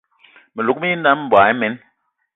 Menungi bilam, mboigi imen